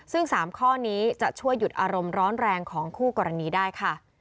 ซึ่ง๓ข้อนี้จะช่วยหยุดอารมณ์ร้อนแรงของคู่กรณีได้ค่ะ